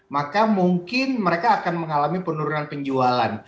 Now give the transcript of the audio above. maka mungkin mereka akan mengalami penurunan penjualan